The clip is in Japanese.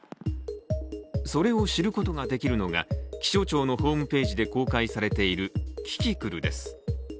それを知ることができるのが、気象庁のホームページで公開されているキキクルです。